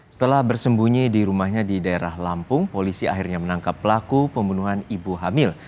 setelah bersembunyi di rumahnya di daerah lampung polisi akhirnya menangkap pelaku pembunuhan ibu hamil